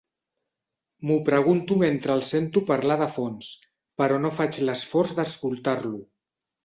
M'ho pregunto mentre el sento parlar de fons, però no faig l'esforç d'escoltar-lo.